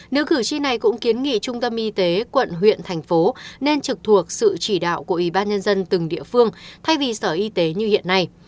nữ cử tri này cũng kiến nghị trung tâm y tế quận huyện thành phố nên trực thuộc sự chỉ đạo của ủy ban nhân dân từng địa phương thay vì sở y tế như hiện nay